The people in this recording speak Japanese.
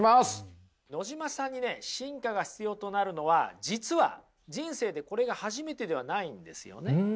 野島さんにね進化が必要となるのは実は人生でこれが初めてではないんですよね。